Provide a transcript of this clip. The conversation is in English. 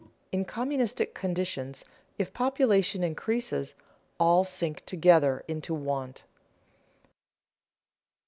In communistic conditions if population increases, all sink together into want.